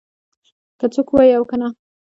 که څوک ووایي او کنه